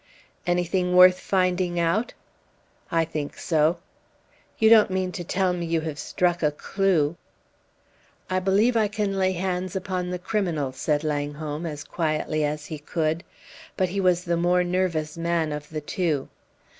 "Anything worth finding out?" "I think so." "You don't mean to tell me you have struck a clew?" "I believe I can lay hands upon the criminal," said Langholm, as quietly as he could. But he was the more nervous man of the two.